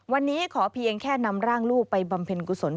วันนี้ขอเพียงแค่นำร่างลูกไปบำเพ็ญกุศล